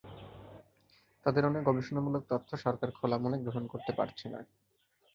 তাদের অনেক গবেষণামূলক তথ্য সরকার খোলা মনে গ্রহণ করতে পারছে না।